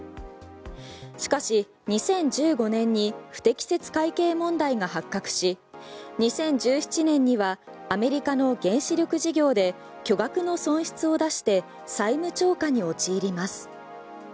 しかし、２０１５年に不適切会計問題が発覚し２０１７年にはアメリカの原子力事業で巨額の損失を出して債務超過に陥ります。